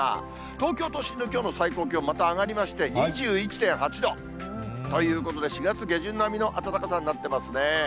東京都心のきょうの最高気温、また上がりまして、２１．８度、ということで４月下旬並みの暖かさになってますね。